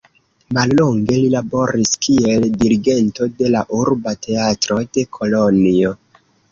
Mallonge li laboris kiel dirigento de la urba teatro de Kolonjo.